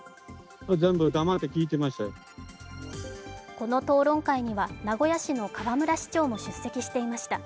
この討論会には名古屋市の河村市長も出席していました。